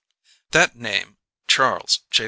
That name, Charles J.